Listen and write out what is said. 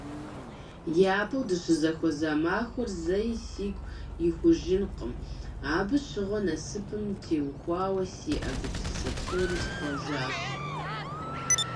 Япэу дыщызэхуэза махуэр зэи сигу ихужынкъым, абы щыгъуэ насыпым теухуауэ сиӀэ гупсысэ псори схъуэжащ.